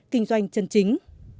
kinh doanh chân chính